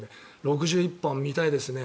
６１本見たいですね。